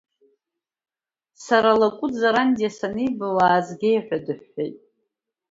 Сара Лакәт Зарандиа саниба уаазгеи ҳәа дыҳәҳәеит.